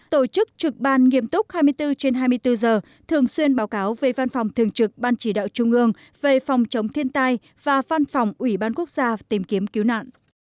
tổ chức trực ban nghiêm túc hai mươi bốn trên hai mươi bốn giờ thường xuyên báo cáo về văn phòng thường trực ban chỉ đạo trung ương về phòng chống thiên tai và văn phòng ủy ban quốc gia tìm kiếm cứu nạn